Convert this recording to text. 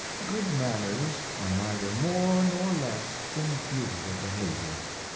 Good manners are neither more nor less than beautiful behavior.